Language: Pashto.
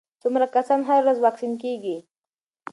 څومره کسان هره ورځ واکسین کېږي؟